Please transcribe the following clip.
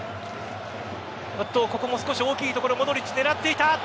ここも少し大きいところモドリッチ、狙っていた。